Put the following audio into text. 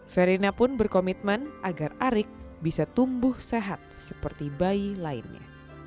verina pun berkomitmen agar arik bisa tumbuh sehat seperti bayi lainnya